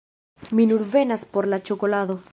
Mi nur venas por la ĉokolado